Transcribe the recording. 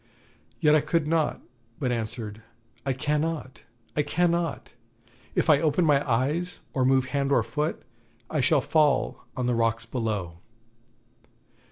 Yet I could not, but answered: 'I cannot, I cannot; if I open my eyes, or move hand or foot, I shall fall on the rocks below.'